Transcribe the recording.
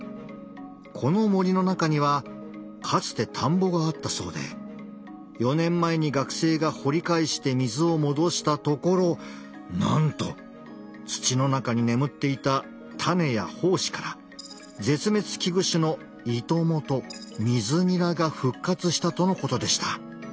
この森の中にはかつて田んぼがあったそうで４年前に学生が掘り返して水を戻したところなんと土の中に眠っていた種や胞子から絶滅危惧種のイトモとミズニラが復活したとのことでした。